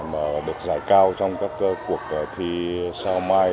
mà được giải cao trong các cuộc thi sao mai